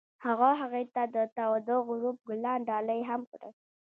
هغه هغې ته د تاوده غروب ګلان ډالۍ هم کړل.